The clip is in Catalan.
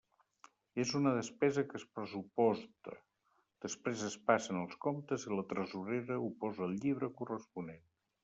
És una despesa que es pressuposta, després es passen els comptes i la tresorera ho posa al llibre corresponent.